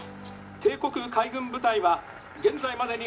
帝国海軍部隊は現在までに」。